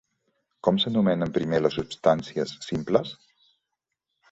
Com s'anomenen primer les substàncies simples?